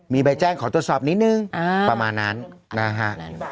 มีใบแจ้งขอตรวจสอบนิดนึงประมาณนั้นนะฮะ